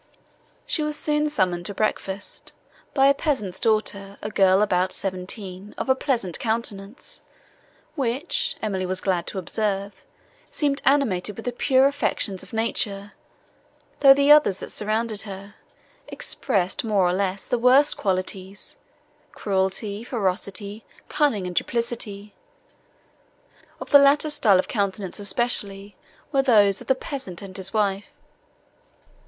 She was soon summoned to breakfast, by the peasant's daughter, a girl about seventeen, of a pleasant countenance, which, Emily was glad to observe, seemed animated with the pure affections of nature, though the others, that surrounded her, expressed, more or less, the worst qualities—cruelty, ferocity, cunning and duplicity; of the latter style of countenance, especially, were those of the peasant and his wife.